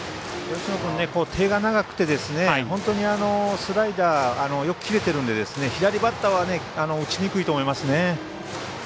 芳野君、手が長くて本当にスライダーよく切れてるので左バッターは打ちにくいと思いますね。